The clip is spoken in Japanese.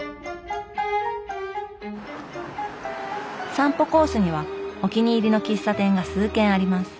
散歩コースにはお気に入りの喫茶店が数軒あります。